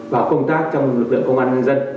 vào công tác trong lực lượng công an nhân dân